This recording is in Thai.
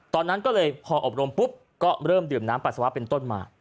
ตอนนั้นก็เลยพออบรมปุ๊บก็เริ่มดื่มน้ำปัสสาวะเป็นต้นมา